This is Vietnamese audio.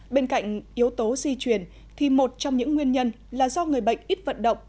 bên cạnh yếu tố di truyền thì một trong những nguyên nhân là do người bệnh ít vận động